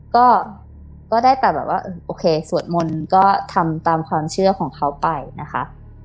ก็ได้แต่แบบว่าโอเคสวดมนต์ก็ทำตามความเชื่อของเขาไปนะคะ